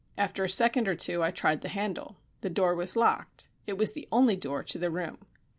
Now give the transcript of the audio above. After a second or two I tried the handle. The door was locked. It was the only door to the room.